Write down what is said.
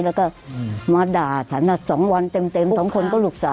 แล้วก็มาด่าฐานรัฐสองวันเต็มสองคนก็หลุกสาว